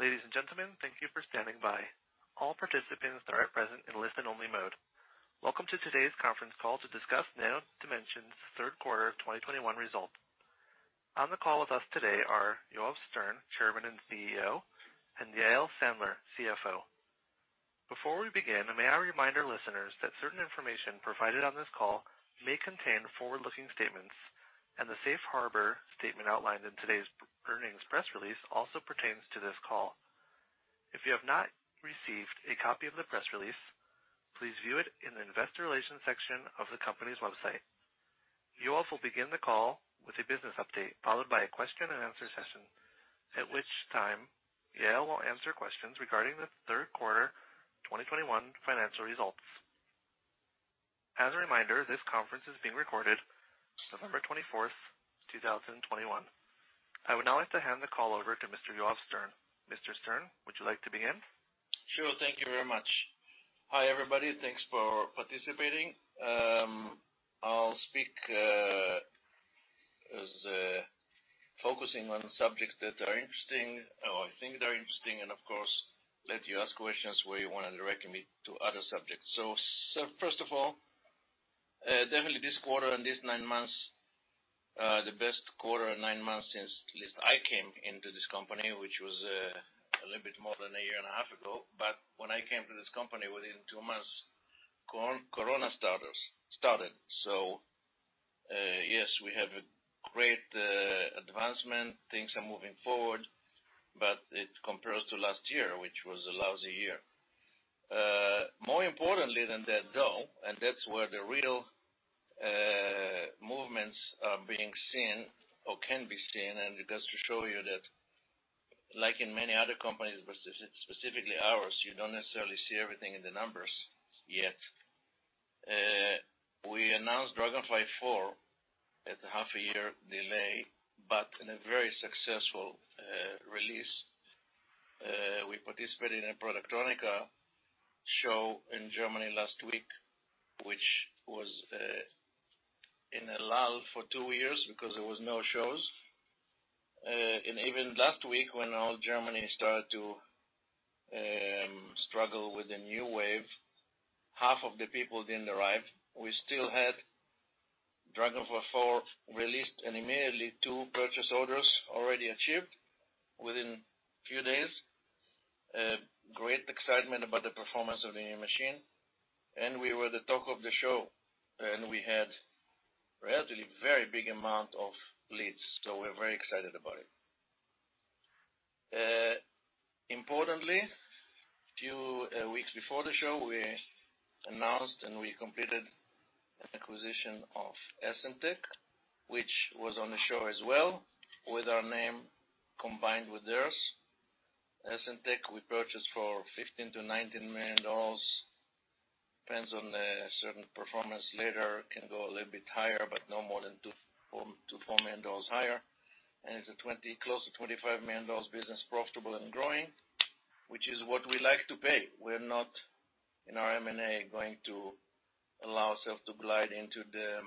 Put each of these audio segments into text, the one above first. Ladies and gentlemen, thank you for standing by. All participants are at present in listen only mode. Welcome to today's conference call to discuss Nano Dimension's third quarter of 2021 results. On the call with us today are Yoav Stern, Chairman and CEO, and Yael Sandler, CFO. Before we begin, may I remind our listeners that certain information provided on this call may contain forward-looking statements and the safe harbor statement outlined in today's earnings press release also pertains to this call. If you have not received a copy of the press release, please view it in the investor relations section of the company's website. Yoav will begin the call with a business update, followed by a question and answer session, at which time Yael will answer questions regarding the third quarter 2021 financial results. As a reminder, this conference is being recorded November 24, 2021. I would now like to hand the call over to Mr. Yoav Stern. Mr. Stern, would you like to begin? Sure. Thank you very much. Hi, everybody. Thanks for participating. I'll speak, focusing on subjects that are interesting or I think they're interesting and of course, let you ask questions where you wanna direct me to other subjects. First of all, definitely this quarter and this nine months, the best quarter and nine months since at least I came into this company, which was a little bit more than a year and a half ago. When I came to this company, within two months, Corona started. Yes, we have a great advancement. Things are moving forward, but it compares to last year, which was a lousy year. More importantly than that, though, and that's where the real movements are being seen or can be seen, and it goes to show you that like in many other companies, but specifically ours, you don't necessarily see everything in the numbers yet. We announced DragonFly IV at a half a year delay, but in a very successful release. We participated in a Productronica show in Germany last week, which was in a lull for two years because there was no shows. Even last week when all Germany started to struggle with the new wave, half of the people didn't arrive. We still had DragonFly IV released and immediately two purchase orders already achieved within few days. Great excitement about the performance of the new machine, and we were the talk of the show, and we had relatively very big amount of leads, so we're very excited about it. Importantly, few weeks before the show, we announced and we completed an acquisition of Essemtec, which was on the show as well with our name combined with theirs. Essemtec we purchased for $15-$19 million. Depends on the certain performance later, can go a little bit higher, but no more than $2.4 million higher. It's a $20 million, close to $25 million business, profitable and growing, which is what we like to pay. We're not, in our M&A, going to allow ourselves to glide into the,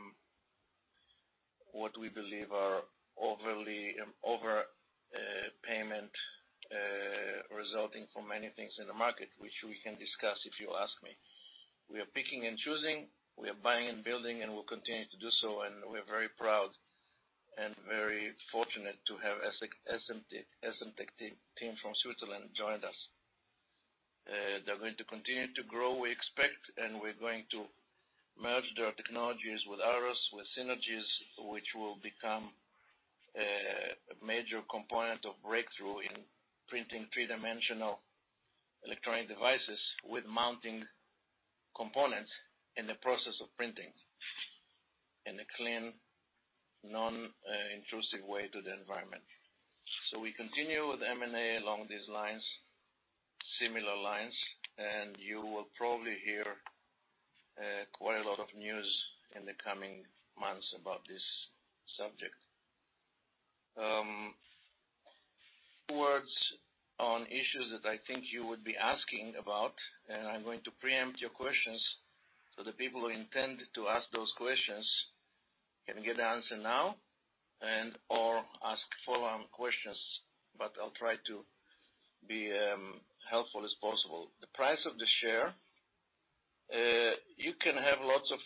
what we believe are overly overpayment resulting from many things in the market which we can discuss if you ask me. We are picking and choosing, we are buying and building, and we'll continue to do so, and we're very proud and very fortunate to have Essemtec team from Switzerland join us. They're going to continue to grow, we expect, and we're going to merge their technologies with ours, with synergies which will become a major component of breakthrough in printing three-dimensional electronic devices with mounting components in the process of printing in a clean, non-intrusive way to the environment. We continue with M&A along these lines, similar lines, and you will probably hear quite a lot of news in the coming months about this subject. A few words on issues that I think you would be asking about, and I'm going to preempt your questions so the people who intend to ask those questions can get the answer now and/or ask follow-on questions, but I'll try to be helpful as possible. The price of the share, you can have lots of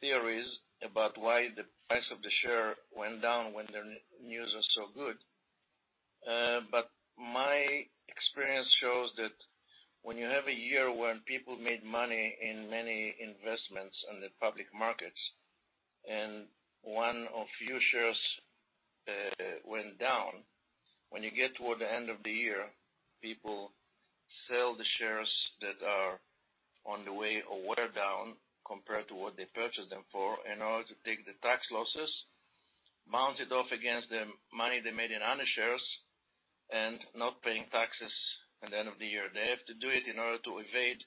theories about why the price of the share went down when the news are so good. My experience shows that when you have a year when people made money in many investments on the public markets and one or few shares went down, when you get toward the end of the year, people sell the shares that are on the way or were down compared to what they purchased them for in order to take the tax losses, offset it against the money they made in other shares, and not paying taxes at the end of the year. They have to do it in order to avoid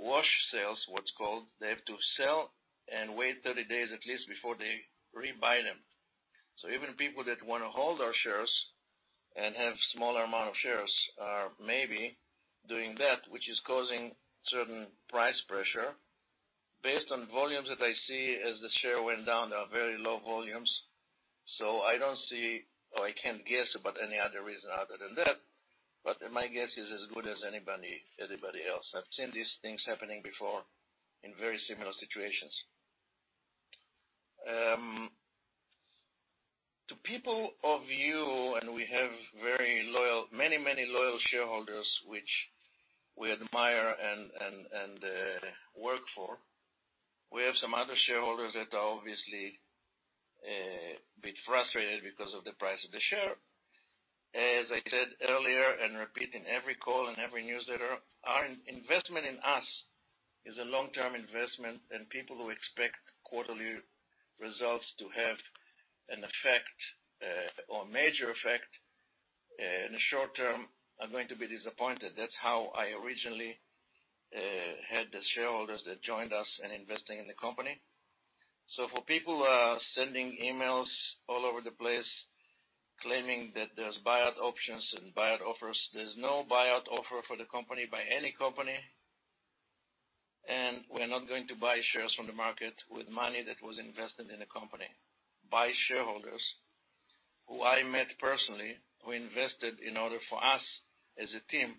wash sales, what's called. They have to sell and wait 30 days at least before they rebuy them. Even people that wanna hold our shares and have smaller amount of shares are maybe doing that, which is causing certain price pressure. Volumes that I see as the share went down are very low volumes. I don't see or I can't guess about any other reason other than that. My guess is as good as anybody else. I've seen these things happening before in very similar situations. To people like you, we have very loyal many loyal shareholders, which we admire and work for. We have some other shareholders that are obviously a bit frustrated because of the price of the share. As I said earlier and repeat in every call and every newsletter, our investment in us is a long-term investment, and people who expect quarterly results to have an effect or major effect in the short term are going to be disappointed. That's how I originally had the shareholders that joined us in investing in the company. For people who are sending emails all over the place claiming that there's buyout options and buyout offers, there's no buyout offer for the company by any company. We're not going to buy shares from the market with money that was invested in the company by shareholders who I met personally, who invested in order for us as a team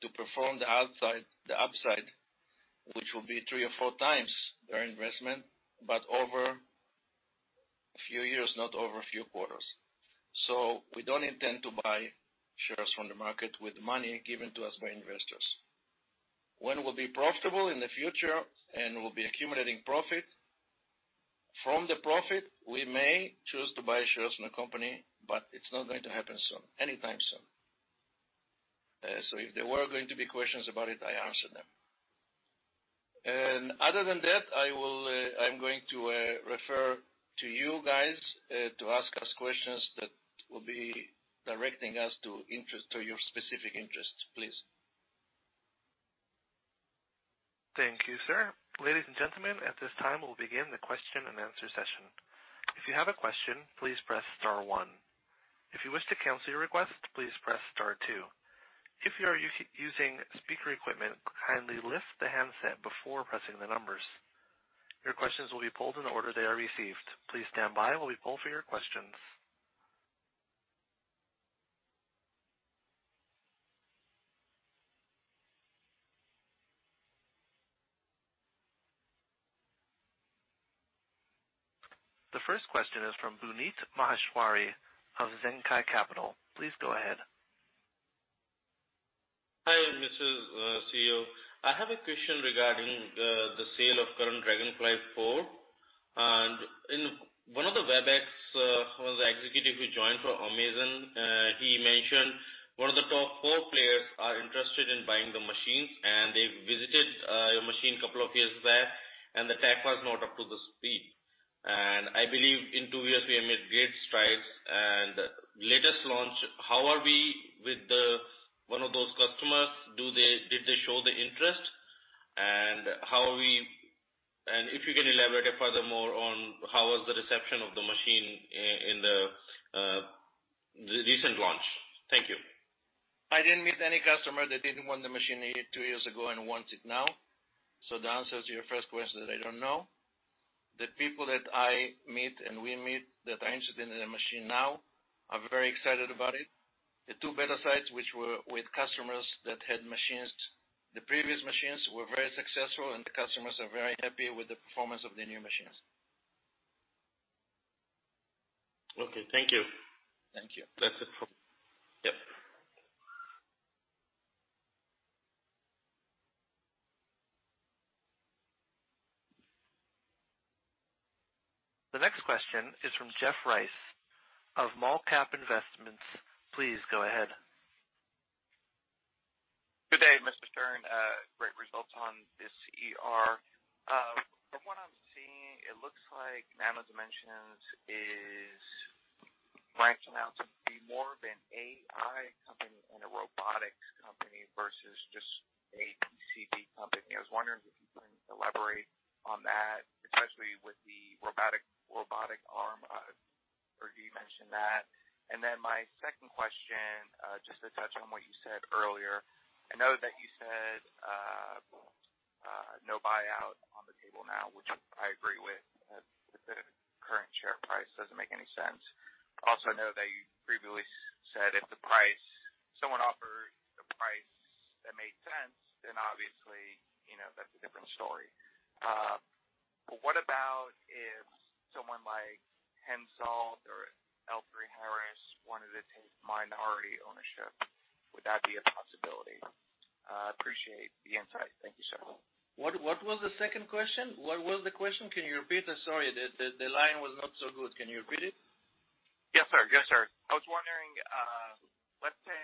to perform the upside, which will be three or four times their investment, but over a few years, not over a few quarters. We don't intend to buy shares from the market with money given to us by investors. When we'll be profitable in the future and we'll be accumulating profit, from the profit, we may choose to buy shares in the company, but it's not going to happen soon, anytime soon. If there were going to be questions about it, I answered them. Other than that, I'm going to refer to you guys to ask us questions that will be directing us to your specific interests, please. Thank you, sir. Ladies and gentlemen, at this time, we'll begin the question-and-answer session. If you have a question, please press star one. If you wish to cancel your request, please press star two. If you are using speaker equipment, kindly lift the handset before pressing the numbers. Your questions will be pulled in the order they are received. Please stand by while we pull for your questions. The first question is from Puneet Maheshwari of Zen-Ki Capital. Please go ahead. Hi, Mr. CEO. I have a question regarding the sale of current DragonFly IV. In one of the BiRex, one of the executives who joined from Amazon, he mentioned one of the top four players are interested in buying the machines, and they visited your machine a couple of years back, and the tech was not up to the speed. I believe in two years, we have made great strides. Latest launch, how are we with the one of those customers? Did they show the interest? How are we? If you can elaborate further more on how was the reception of the machine in the recent launch? Thank you. I didn't meet any customer that didn't want the machine two years ago and wants it now. The answer to your first question is I don't know. The people that I meet and we meet that are interested in the machine now are very excited about it. The two beta sites, which were with customers that had machines, the previous machines, were very successful and the customers are very happy with the performance of the new machines. Okay. Thank you. Thank you. That's it for me. Yep. The next question is from Jeff Rice of Malcap Investments. Please go ahead. Good day, Mr. Stern. Great results on this ER. From what I'm seeing, it looks like Nano Dimension is branching out to be more of an AI company and a robotics company versus just a PCB company. I was wondering if you can elaborate on that, especially with the robotic arm? I've heard you mention that. Then my second question, just to touch on what you said earlier. I know that you said no buyout on the table now, which I agree with. The current share price doesn't make any sense. Also, I know that you previously said if the price, someone offered a price that made sense, then obviously, you know, that's a different story. But what about if someone like HENSOLDT or L3Harris wanted to take minority ownership? Would that be a possibility? I appreciate the insight. Thank you, sir. What was the second question? What was the question? Can you repeat it? Sorry, the line was not so good. Can you repeat it? Yes, sir. I was wondering, let's say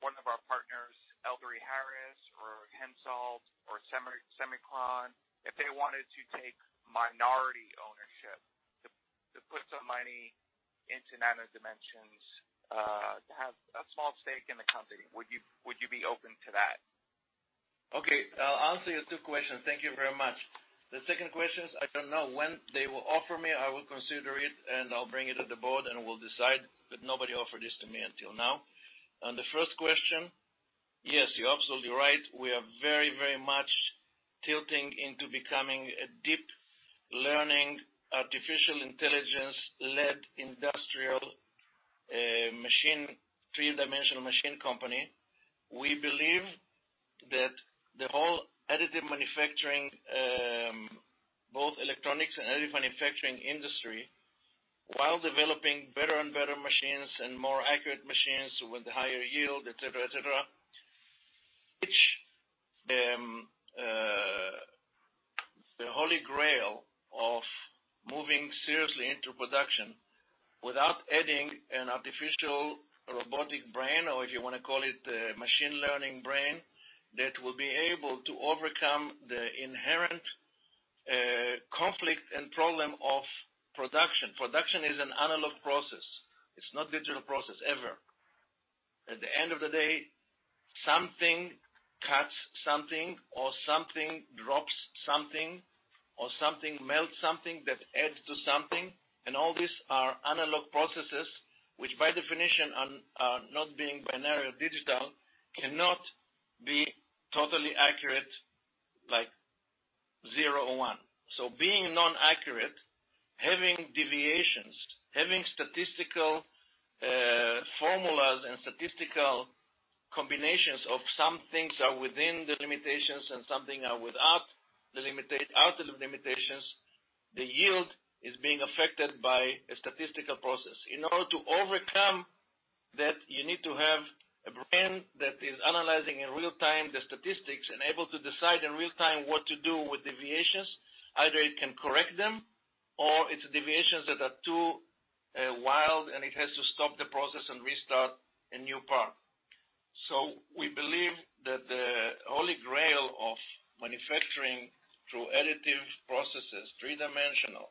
one of our partners, L3Harris or HENSOLDT or SemiCon, if they wanted to take minority ownership, to put some money into Nano Dimension, to have a small stake in the company, would you be open to that? Okay. I'll answer your two questions. Thank you very much. The second question is, I don't know. When they will offer me, I will consider it and I'll bring it to the board and we'll decide, but nobody offered this to me until now. The first question. Yes, you're absolutely right. We are very, very much tilting into becoming a deep learning, artificial intelligence-led industrial, machine, three-dimensional machine company. We believe that the whole additive manufacturing, both electronics and additive manufacturing industry, while developing better and better machines and more accurate machines with higher yield, etc., etc., which, the holy grail of moving seriously into production without adding an artificial robotic brain, or if you wanna call it, machine learning brain, that will be able to overcome the inherent, conflict and problem of production. Production is an analog process. It's not digital process ever. At the end of the day, something cuts something or something drops something or something melts something that adds to something, and all these are analog processes, which by definition are not being binary or digital, cannot be totally accurate like zero or one. Being non-accurate, having deviations, having statistical formulas and statistical combinations of some things are within the limitations and something are without, out of the limitations, the yield is being affected by a statistical process. In order to overcome that, you need to have a brain that is analyzing in real time the statistics and able to decide in real time what to do with deviations. Either it can correct them, or it's deviations that are too wild, and it has to stop the process and restart a new part. We believe that the holy grail of manufacturing through additive processes, three-dimensional,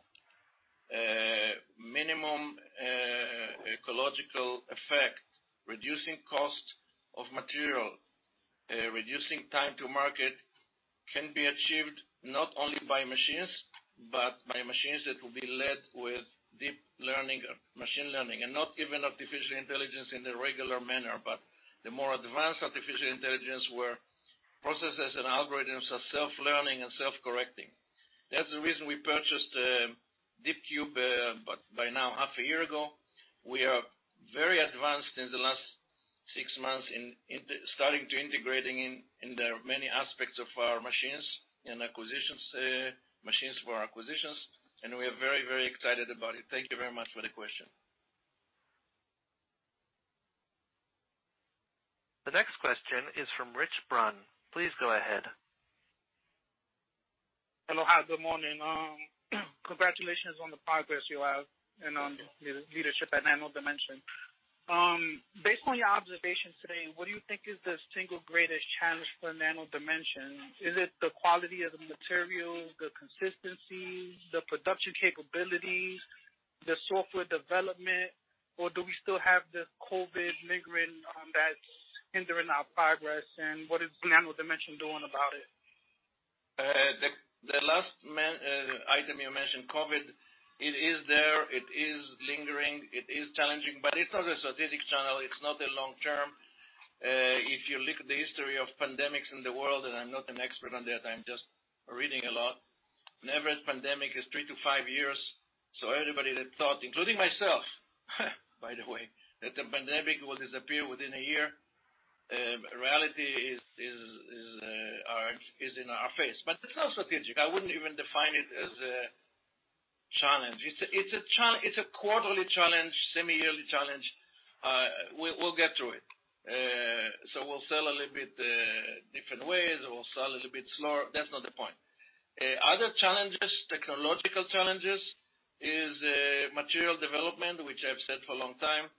minimum, ecological effect, reducing cost of material, reducing time to market, can be achieved not only by machines, but by machines that will be led with deep learning, machine learning, and not even artificial intelligence in the regular manner, but the more advanced artificial intelligence where processes and algorithms are self-learning and self-correcting. That's the reason we purchased DeepCube by now half a year ago. We are very advanced in the last six months in integrating in the many aspects of our machines and acquisitions, machines for our acquisitions, and we are very, very excited about it. Thank you very much for the question. The next question is from Rich Brunn. Please go ahead. Hello. Hi. Good morning. Congratulations on the progress you have and on the leadership at Nano Dimension. Based on your observations today, what do you think is the single greatest challenge for Nano Dimension? Is it the quality of the materials, the consistency, the production capabilities, the software development, or do we still have the COVID lingering, that's hindering our progress? And what is Nano Dimension doing about it? The last main item you mentioned, COVID, it is there, it is lingering, it is challenging, but it's not a strategic challenge. It's not a long-term. If you look at the history of pandemics in the world, and I'm not an expert on that, I'm just reading a lot, an average pandemic is three-five years. Everybody that thought, including myself, by the way, that the pandemic will disappear within a year, reality is in our face. It's not strategic. I wouldn't even define it as a challenge. It's a quarterly challenge, semi-yearly challenge. We'll get through it. We'll sell a little bit different ways. We'll sell a little bit slower. That's not the point. Other challenges, technological challenges, is material development, which I've said for a long time.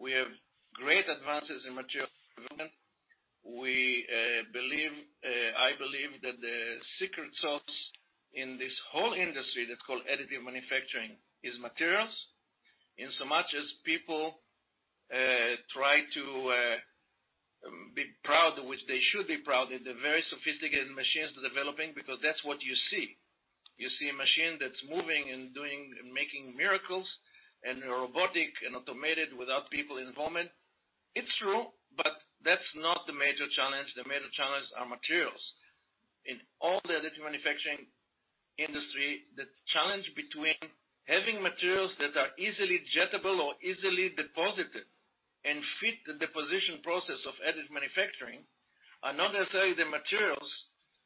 We have great advances in material development. We believe, I believe that the secret sauce in this whole industry that's called additive manufacturing is materials. In so much as people try to be proud, which they should be proud, they're very sophisticated machines they're developing because that's what you see. You see a machine that's moving and doing and making miracles and robotic and automated without people involvement. It's true, but that's not the major challenge. The major challenge are materials. In all the additive manufacturing industry, the challenge between having materials that are easily jettable or easily deposited and fit the deposition process of additive manufacturing are not necessarily the materials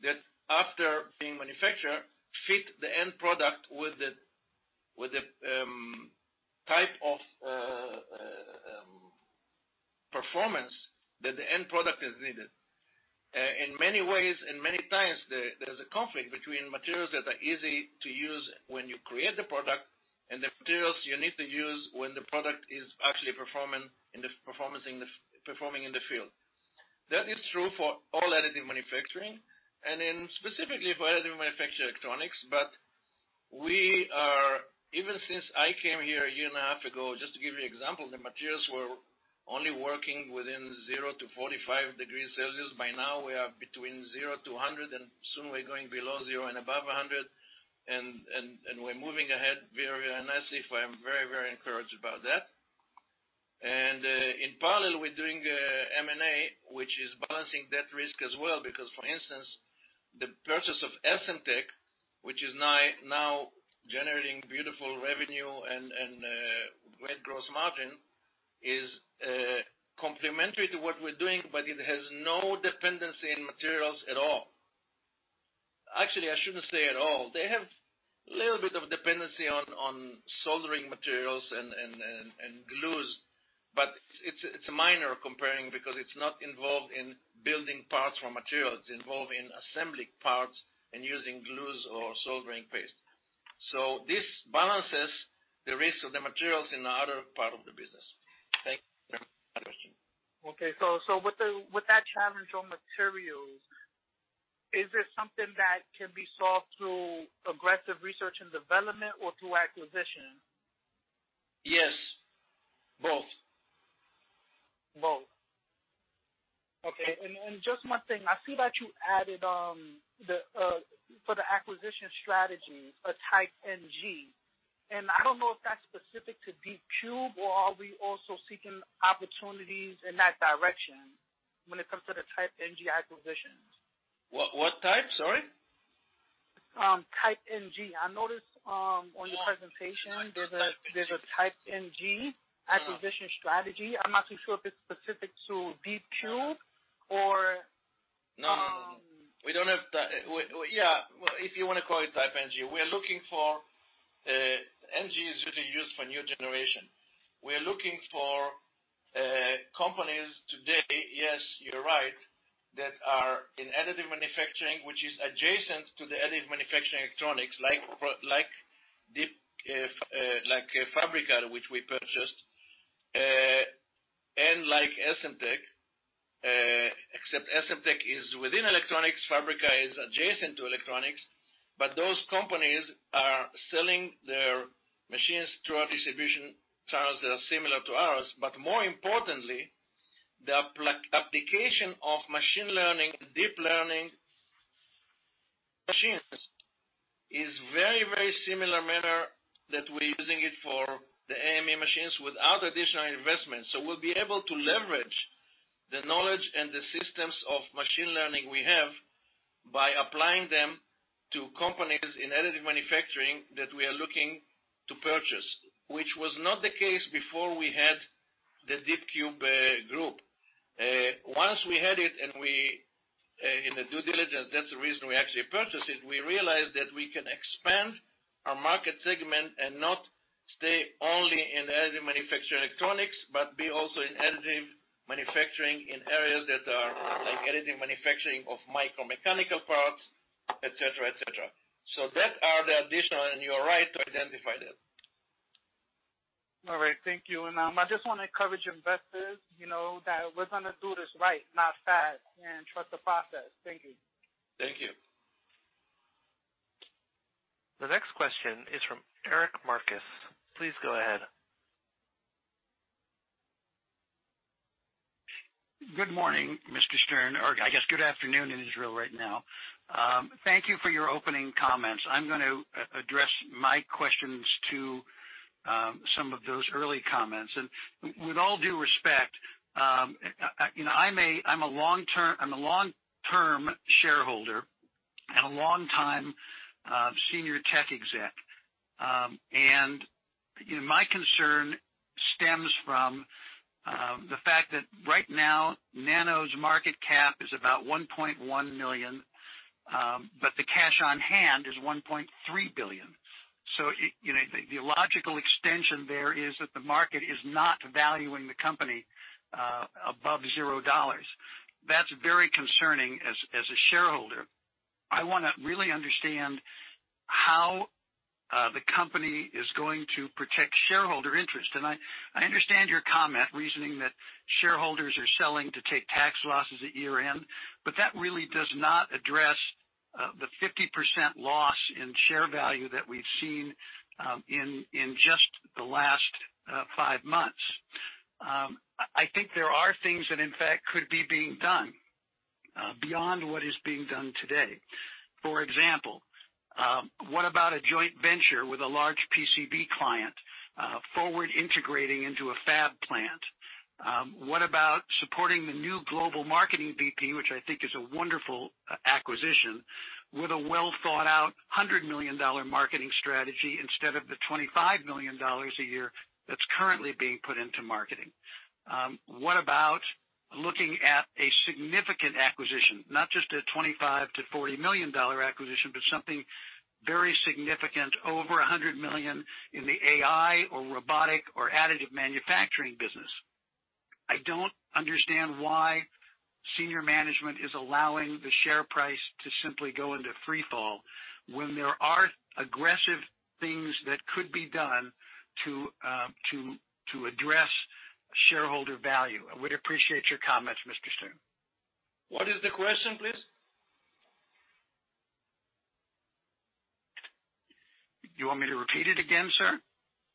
that after being manufactured, fit the end product with the type of performance that the end product has needed. In many ways and many times, there's a conflict between materials that are easy to use when you create the product and the materials you need to use when the product is actually performing in the field. That is true for all additive manufacturing and specifically for additively manufactured electronics. Even since I came here a year and a half ago, just to give you example, the materials were only working within 0-45 degrees Celsius. By now, we are between 0-100, and soon we're going below zero and above 100. We're moving ahead very. I'm very courageous about that. In parallel, we're doing M&A, which is balancing that risk as well, because, for instance, the purchase of Essemtec, which is now generating beautiful revenue and great gross margin, is complementary to what we're doing, but it has no dependency in materials at all. Actually, I shouldn't say at all. They have a little bit of dependency on soldering materials and glues, but it's minor comparing because it's not involved in building parts from materials. It's involved in assembling parts and using glues or soldering paste. This balances the risk of the materials in the other part of the business. Thank you. Okay. With that challenge on materials, is it something that can be solved through aggressive research and development or through acquisition? Yes, both. Both. Okay. Just one thing. I see that you added the for the acquisition strategy, a type NG. I don't know if that's specific to DeepCube or are we also seeking opportunities in that direction when it comes to the type NG acquisitions? What type? Sorry. I noticed on the presentation there's a tuck-in acquisition strategy. I'm not too sure if it's specific to DeepCube or No. We don't have the. We, yeah, if you wanna call it type NG, we are looking for. NG is really used for new generation. We are looking for companies today, yes, you're right, that are in additive manufacturing, which is adjacent to the additive manufacturing electronics, like Fabrica, which we purchased, and like Essemtec, except Essemtec is within electronics, Fabrica is adjacent to electronics, but those companies are selling their machines through our distribution channels that are similar to ours. But more importantly, the application of machine learning, deep learning machines is very, very similar manner that we're using it for the AME machines without additional investment. We'll be able to leverage the knowledge and the systems of machine learning we have by applying them to companies in additive manufacturing that we are looking to purchase, which was not the case before we had the DeepCube group. Once we had it and we in the due diligence, that's the reason we actually purchased it, we realized that we can expand our market segment and not stay only in additive manufacturing electronics, but be also in additive manufacturing in areas that are like additive manufacturing of micro mechanical parts, etc., etc. That are the additional, and you are right to identify that. All right. Thank you. I just wanna encourage investors, you know, that we're gonna do this right, not fast, and trust the process. Thank you. Thank you. The next question is from Eric Marcus. Please go ahead. Good morning, Mr. Stern, or I guess good afternoon in Israel right now. Thank you for your opening comments. I'm gonna address my questions to some of those early comments. With all due respect, you know, I'm a long-term shareholder and a long time senior tech exec. You know, my concern stems from the fact that right now Nano's market cap is about $1.1 billion, but the cash on hand is $1.3 billion. So you know, the logical extension there is that the market is not valuing the company above $0. That's very concerning as a shareholder. I wanna really understand how the company is going to protect shareholder interest. I understand your comment, reasoning that shareholders are selling to take tax losses at year-end, but that really does not address the 50% loss in share value that we've seen in just the last five months. I think there are things that in fact could be being done beyond what is being done today. For example, what about a joint venture with a large PCB client, forward integrating into a fab plant? What about supporting the new global marketing VP, which I think is a wonderful acquisition, with a well-thought-out $100 million marketing strategy instead of the $25 million a year that's currently being put into marketing? What about looking at a significant acquisition, not just a $25 million-$40 million acquisition, but something very significant over $100 million in the AI or robotic or additive manufacturing business? I don't understand why senior management is allowing the share price to simply go into free fall when there are aggressive things that could be done to address shareholder value. I would appreciate your comments, Mr. Stern. What is the question, please? You want me to repeat it again, sir?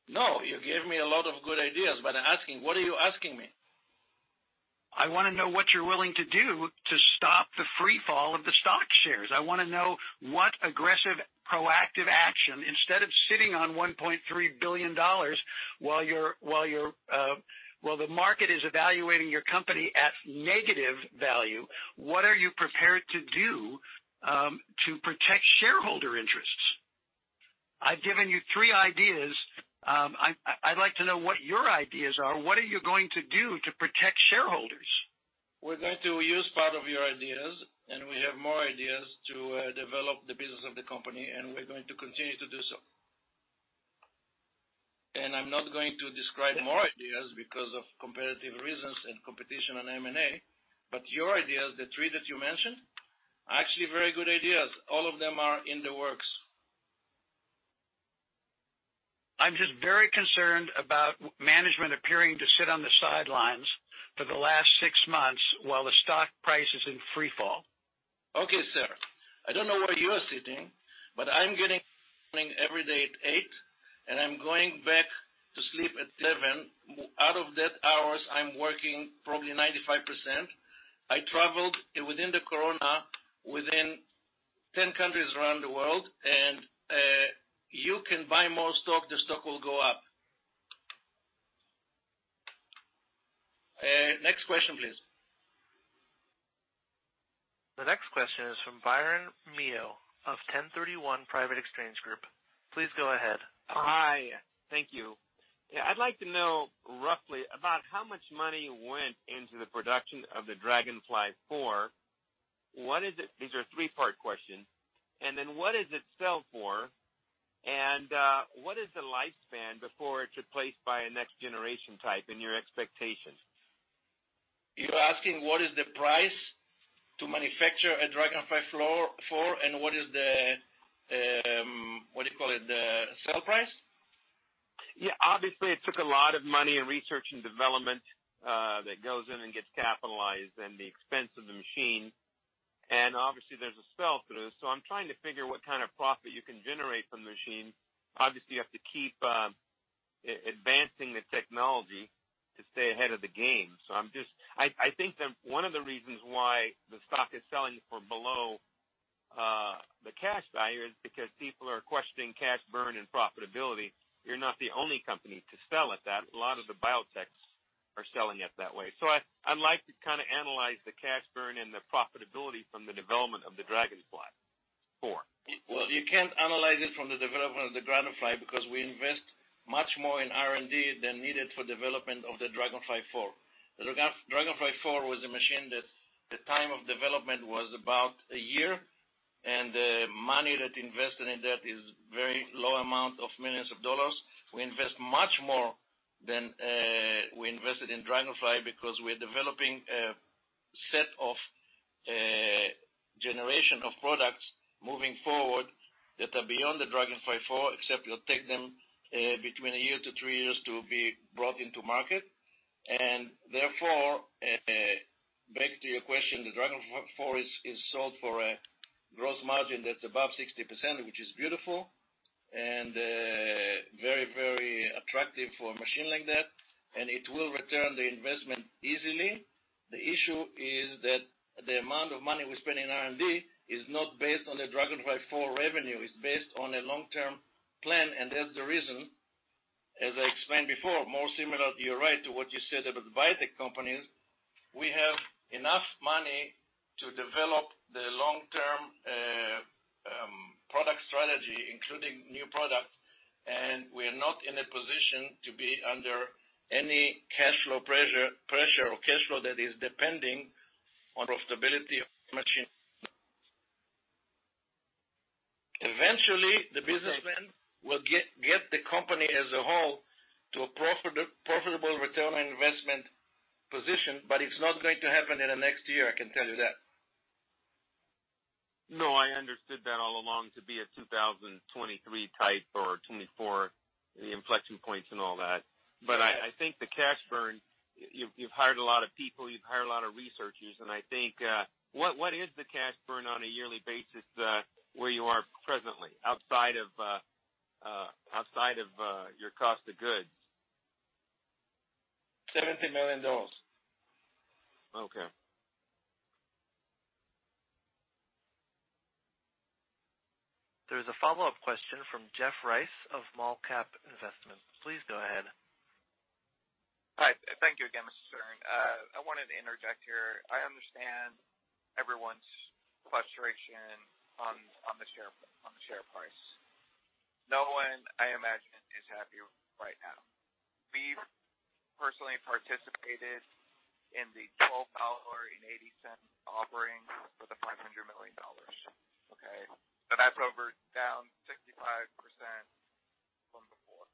No. You gave me a lot of good ideas, but asking, what are you asking me? I wanna know what you're willing to do to stop the free fall of the stock shares? I wanna know what aggressive proactive action, instead of sitting on $1.3 billion while the market is evaluating your company at negative value, what are you prepared to do to protect shareholder interests? I've given you three ideas. I'd like to know what your ideas are. What are you going to do to protect shareholders? We're going to use part of your ideas, and we have more ideas to develop the business of the company, and we're going to continue to do so. I'm not going to describe more ideas because of competitive reasons and competition on M&A. Your ideas, the three that you mentioned, are actually very good ideas. All of them are in the works. I'm just very concerned about management appearing to sit on the sidelines for the last six months while the stock price is in free fall. Okay, sir. I don't know where you are sitting, but I'm getting up every day at eight, and I'm going back to sleep at 11. Out of that hours, I'm working probably 95%. I traveled within the corona within 10 countries around the world, and you can buy more stock, the stock will go up. Next question, please. The next question is from Byron Meo of 1031 Private Exchange Group. Please go ahead. Hi. Thank you. Yeah, I'd like to know roughly about how much money went into the production of the DragonFly IV. What is it? These are three-part questions. What does it sell for? What is the lifespan before it's replaced by a next generation type in your expectations? You're asking, what is the price to manufacture a DragonFly IV, and what is the, what do you call it, the sell price? Yeah. Obviously it took a lot of money in research and development that goes in and gets capitalized and the expense of the machine. Obviously there's a sell to this. I'm trying to figure what kind of profit you can generate from the machine. Obviously, you have to keep advancing the technology to stay ahead of the game. I think that one of the reasons why the stock is selling for below the cash value is because people are questioning cash burn and profitability. You're not the only company to sell at that. A lot of the biotechs are selling it that way. I'd like to kind a analyze the cash burn and the profitability from the development of the DragonFly IV. Well, you can't analyze it from the development of the DragonFly because we invest much more in R&D than needed for development of the DragonFly four. The DragonFly four was a machine that the time of development was about a year, and the money that invested in that is very low amount of millions of dollars. We invest much more than we invested in DragonFly because we're developing a set of generation of products moving forward that are beyond the DragonFly four, except it'll take them between a year to three years to be brought into market. Therefore, back to your question, the DragonFly four is sold for a gross margin that's above 60%, which is beautiful and very, very attractive for a machine like that, and it will return the investment easily. The issue is that the amount of money we spend in R&D is not based on the DragonFly IV revenue. It's based on a long-term plan. That's the reason, as I explained before, more similar, you're right, to what you said about the biotech companies, we have enough money to develop the long-term product strategy, including new products, and we're not in a position to be under any cash flow pressure or cash flow that is depending on profitability of the machine. Eventually, the business will get the company as a whole to a profitable return on investment position, but it's not going to happen in the next year. I can tell you that. No, I understood that all along to be a 2023 type or 2024, the inflection points and all that. I think the cash burn, you've hired a lot of people, you've hired a lot of researchers, and I think what is the cash burn on a yearly basis, where you are presently outside of your cost of goods? $70 million. Okay. There's a follow-up question from Jeff Rice of Malcap Investments. Please go ahead. Hi. Thank you again, Mr. Stern. I wanted to interject here. I understand everyone's frustration on the share price. No one, I imagine, is happy right now. We've personally participated in the $12.80 offering for the $500 million. Okay. That's over, down 65% from before.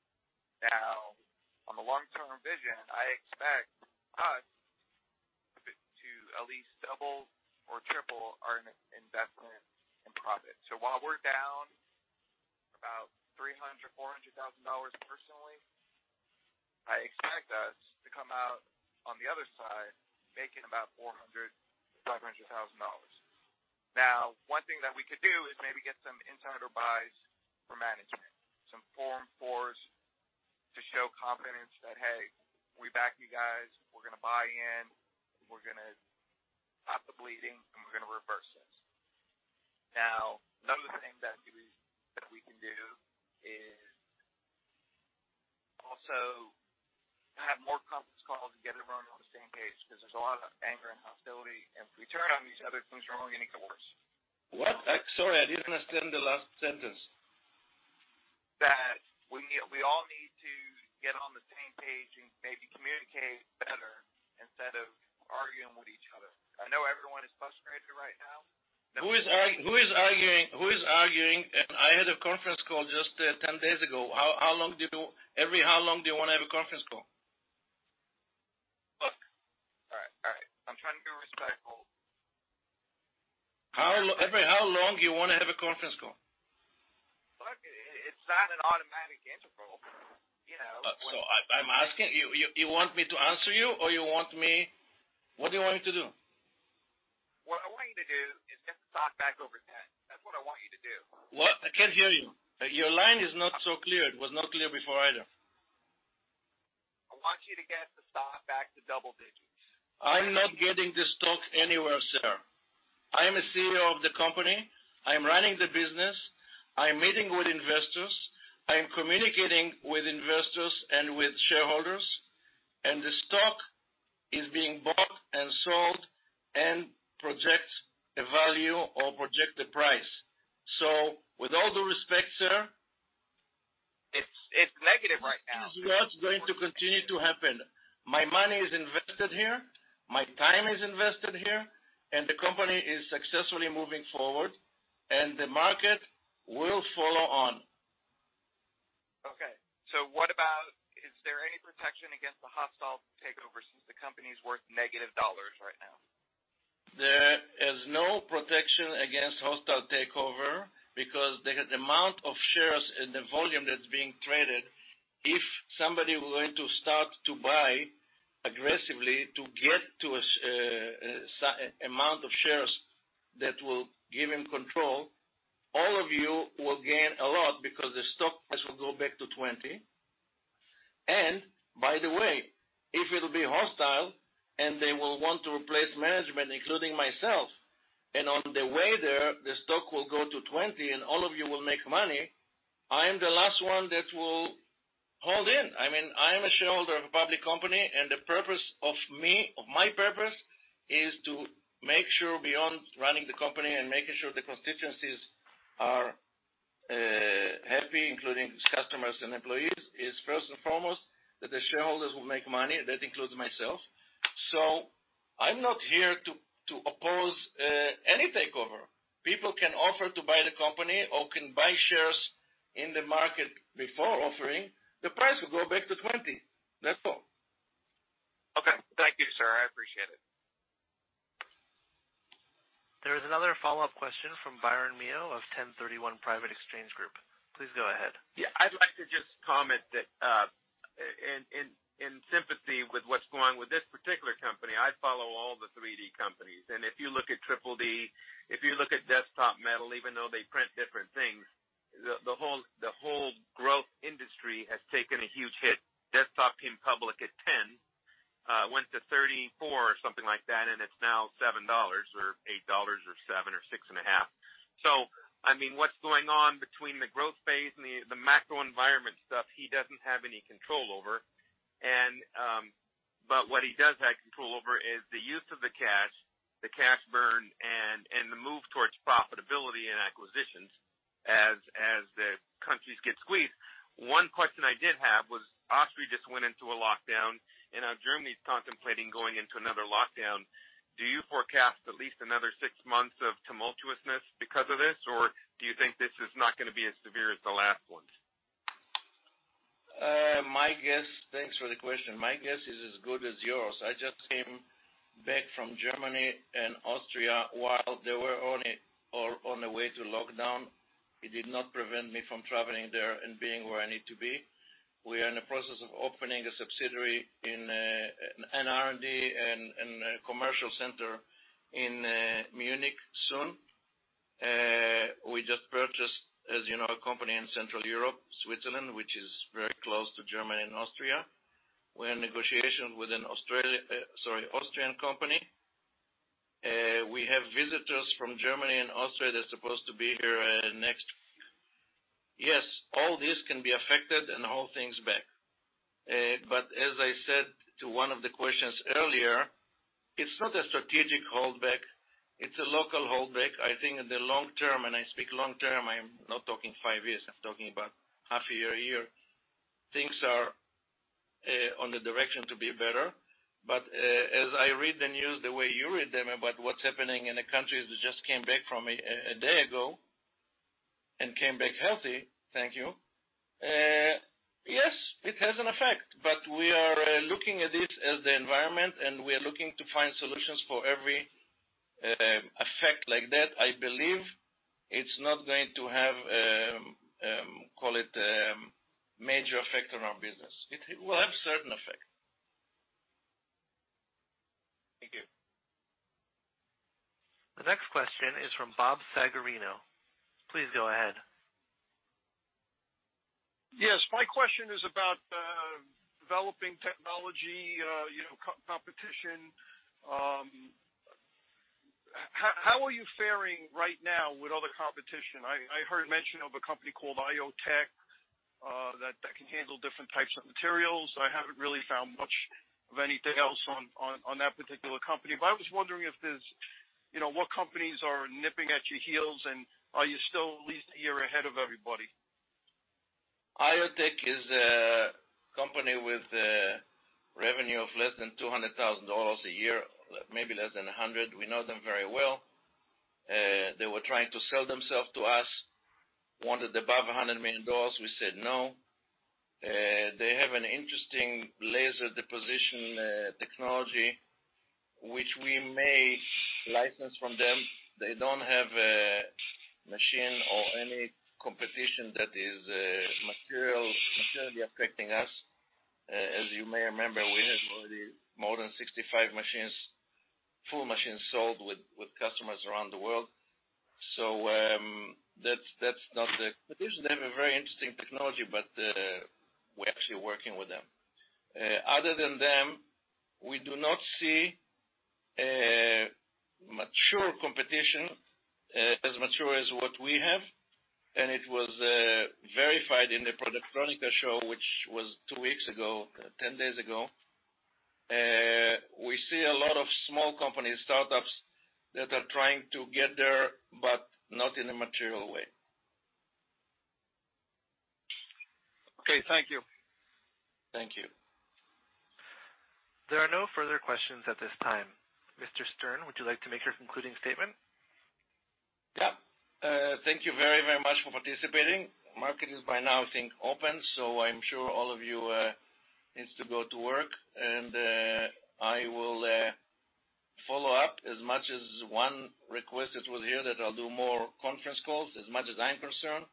Now, on the long-term vision, I expect us to at least double or triple our investment and profit. While we're down about $300-$400 thousand personally, I expect us to come out on the other side making about $400,000. Now, one thing that we could do is maybe get some insider buys for management. Some Form 4 to show confidence that, "Hey, we back you guys. We're gonna buy in. We're gonna stop the bleeding, and we're gonna reverse this." Now, another thing that we can do is also have more conference calls to get everyone on the same page, because there's a lot of anger and hostility. If we turn on these other things, we're only getting worse. What? Sorry, I didn't understand the last sentence. That we all need to get on the same page and maybe communicate better instead of arguing with each other. I know everyone is frustrated right now. Who is arguing? I had a conference call just 10 days ago. Every how long do you wanna have a conference call? Look. All right. I'm trying to be respectful. How long you wanna have a conference call? Look, it's not an automatic interval, you know. I'm asking. You want me to answer you or you want me. What do you want me to do? What I want you to do is get the stock back over 10. That's what I want you to do. What? I can't hear you. Your line is not so clear. It was not clear before either. I want you to get the stock back to double digits. I'm not getting the stock anywhere, sir. I am a CEO of the company. I am running the business. I am meeting with investors. I am communicating with investors and with shareholders, and the stock is being bought and sold and project a value or project a price. With all due respect, sir. It's negative right now. It's not going to continue to happen. My money is invested here, my time is invested here, and the company is successfully moving forward, and the market will follow on. Is there any protection against the hostile takeover since the company is worth negative dollars right now? There is no protection against hostile takeover because the amount of shares and the volume that's being traded, if somebody were going to start to buy aggressively to get to a significant amount of shares that will give him control, all of you will gain a lot because the stock price will go back to $20. By the way, if it'll be hostile and they will want to replace management, including myself, and on the way there, the stock will go to $20 and all of you will make money, I am the last one that will hold in. I mean, I am a shareholder of a public company and the purpose of me, my purpose is to make sure beyond running the company and making sure the constituencies are happy, including customers and employees, is first and foremost, that the shareholders will make money, and that includes myself. I'm not here to oppose any takeover. People can offer to buy the company or can buy shares in the market before offering. The price will go back to $20. That's all. Okay. Thank you, sir. I appreciate it. There is another follow-up question from Byron Meo of 1031 Private Exchange Group. Please go ahead. Yeah. I'd like to just comment that, in sympathy with what's going with this particular company, I follow all the 3D companies. If you look at 3D Systems, if you look at Desktop Metal, even though they print different things, the whole growth industry has taken a huge hit. Desktop came public at 10, went to 34 or something like that, and it's now $7 or $8 or $7 or $6.5. I mean, what's going on between the growth phase and the macro environment stuff, he doesn't have any control over? What he does have control over is the use of the cash, the cash burn, and the move towards profitability and acquisitions as the countries get squeezed. One question I did have was Austria just went into a lockdown, and now Germany is contemplating going into another lockdown. Do you forecast at least another six months of tumultuousness because of this? Or do you think this is not gonna be as severe as the last ones? Thanks for the question. My guess is as good as yours. I just came back from Germany and Austria while they were on their way to lockdown. It did not prevent me from traveling there and being where I need to be. We are in the process of opening a subsidiary in an R&D and a commercial center in Munich soon. We just purchased, as you know, a company in Central Europe, Switzerland, which is very close to Germany and Austria. We're in negotiation with an Austrian company. We have visitors from Germany and Austria that's supposed to be here next week. Yes, all this can be affected and hold things back. As I said to one of the questions earlier, it's not a strategic holdback, it's a local holdback. I think in the long term, and I speak long term, I'm not talking five years, I'm talking about half a year, a year. Things are in the direction to be better. As I read the news the way you read them about what's happening in the countries that just came back from a day ago and came back healthy, thank you. Yes, it has an effect, but we are looking at this as the environment, and we are looking to find solutions for every effect like that. I believe it's not going to have, call it. It will have certain effect. Thank you. The next question is from Bob Sagarinho. Please go ahead. Yes. My question is about developing technology, you know, co-competition. How are you faring right now with all the competition? I heard mention of a company called ioTech that can handle different types of materials. I haven't really found much of anything else on that particular company. I was wondering if there's, you know, what companies are nipping at your heels, and are you still at least a year ahead of everybody? ioTech is a company with revenue of less than $200,000 a year, maybe less than $100,000. We know them very well. They were trying to sell themselves to us. Wanted above $100 million, we said no. They have an interesting laser deposition technology which we may license from them. They don't have a machine or any competition that is materially affecting us. As you may remember, we have already more than 65 machines, full machines sold with customers around the world. That's not the. They have a very interesting technology, but we're actually working with them. Other than them, we do not see a mature competition as mature as what we have, and it was verified in the Productronica show, which was two weeks ago, ten days ago. We see a lot of small companies, startups that are trying to get there, but not in a material way. Okay. Thank you. Thank you. There are no further questions at this time. Mr. Stern, would you like to make your concluding statement? Yeah. Thank you very, very much for participating. Market is by now, I think, open, so I'm sure all of you needs to go to work. I will follow up as much as one requested with here that I'll do more conference calls. As much as I'm concerned,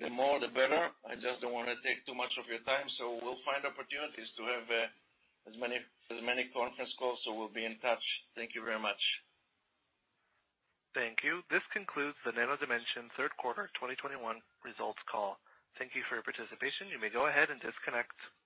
the more, the better. I just don't wanna take too much of your time, so we'll find opportunities to have as many conference calls. We'll be in touch. Thank you very much. Thank you. This concludes the Nano Dimension third quarter 2021 results call. Thank you for your participation. You may go ahead and disconnect.